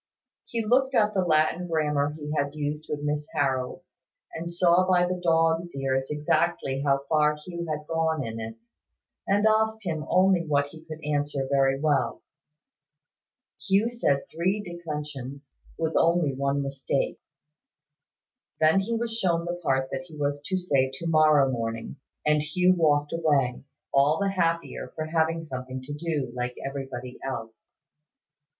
He looked at the Latin grammar he had used with Miss Harold, and saw by the dogs' ears exactly how far Hugh had gone in it, and asked him only what he could answer very well. Hugh said three declensions, with only one mistake. Then he was shown the part that he was to say to morrow morning; and Hugh walked away, all the happier for having something to do, like everybody else.